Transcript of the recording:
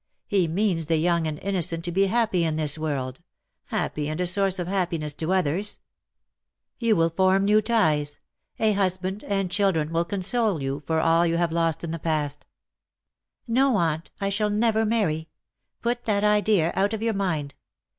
He means the young and innocent to be happy in this world — happy and a source of happiness to others. You VOL. II. I 114 " BUT HERE IS ONE WHO LOVES YOU." will form new ties : a husband and children will console you for all you have lost in the past/^ '^No, aunt^ I shall never marry. Put that idea out of your mind.